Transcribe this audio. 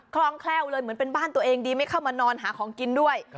คลองแคล่วเลยเหมือนเป็นบ้านตัวเองดีไม่เข้ามานอนหาของกินด้วย